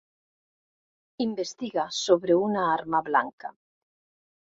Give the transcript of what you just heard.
Investiga sobre una arma blanca.